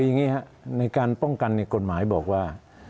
อย่างนี้ครับในการป้องกันกฎหมายบอกว่า